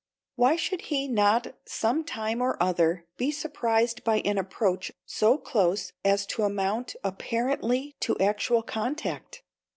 Why should he not some time or other be surprised by an approach so close as to amount apparently to actual contact?